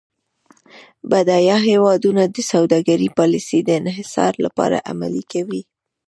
بډایه هیوادونه د سوداګرۍ پالیسي د انحصار لپاره عملي کوي.